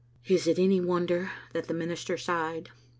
Is it any wonder that the minister sighed?